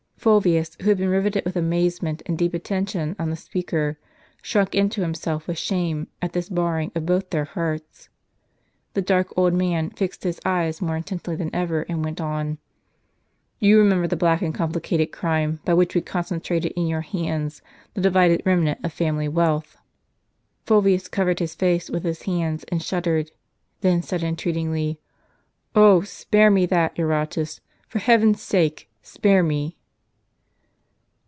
Fulvius, who had been riveted with amazement and deep attention on the speakei", shrunk into himself wdth shame, at this baring of both their hearts. The dark old man fixed his eyes more intently than ever, and went on : "Tou remember the black and complicated crime by which we concentrated in your hands the divided remnant of family wealth." Fulvius covered his face with his hands and shuddered, then said entreatingly, " Ob, spare me that, Eurotas ; for heaven's sake s^jare me